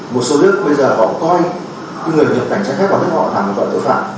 một số nước bây giờ họ coi những người nhập cảnh trái khác vào nước họ là một loại tội phạm